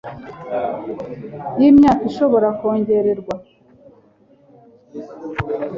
y imyaka ishobora kongererwa